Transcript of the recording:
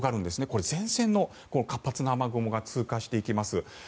これ、前線の活発な雨雲が通過していきます。